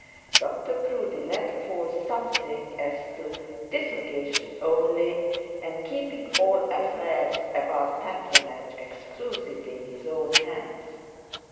Dr Proudie let fall something as to 'this occasion only,' and 'keeping all affairs about patronage exclusively in his own hands.'